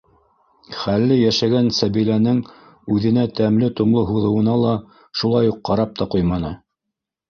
Хәлле йәшәгән Сәбиләнең үҙенә тәмле-томло һуҙыуына ла шулай уҡ ҡарап та ҡуйманы.